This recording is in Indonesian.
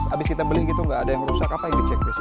abis kita beli gitu nggak ada yang rusak apa yang dicek besok